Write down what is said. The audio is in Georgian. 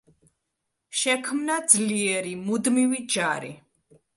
შექმნა ძლიერი მუდმივი ჯარი.